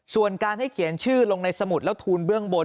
ส่วนการให้เขียนชื่อลงในสมุดแล้วทูลเบื้องบน